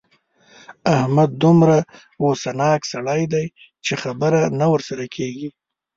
احمد دومره غوسناک سړی دی چې خبره نه ورسره کېږي.